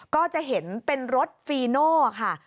ก็จะเห็นเป็นรถฟีโน่ค่ะ